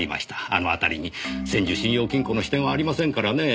あの辺りに千住信用金庫の支店はありませんからねえ。